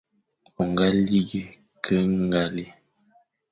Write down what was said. O ñga lighé ke ñgale,